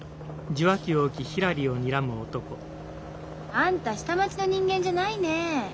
あんた下町の人間じゃないねえ。